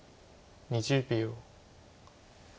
２０秒。